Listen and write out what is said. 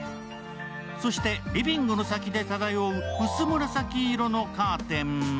そしてリビングの先で漂う薄紫色のカーテン。